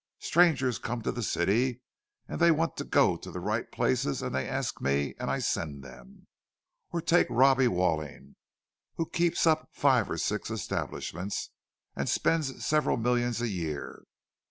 Strangers come to the city, and they want to go to the right places, and they ask me, and I send them. Or take Robbie Walling, who keeps up five or six establishments, and spends several millions a year.